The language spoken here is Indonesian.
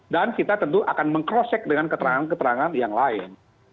dan kita tentu akan meng crosscheck dengan keterangan keterangan yang lain